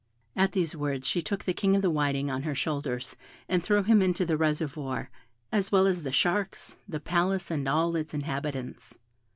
At these words she took the King of the Whiting on her shoulders, and threw him into the reservoir, as well as the sharks, the palace, and all its inhabitants.